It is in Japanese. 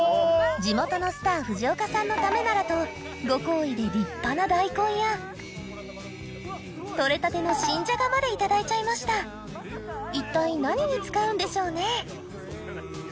地元のスター藤岡さんのためならとご厚意で立派な大根やとれたての新じゃがまでいただいちゃいました一体何に使うんでしょうね？